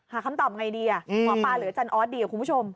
หาคำตอบยังไงดีหัวป้าเหลือจันทร์ออสดีครับคุณผู้ชม